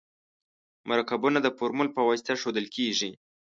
مرکبونه د فورمول په واسطه ښودل کیږي.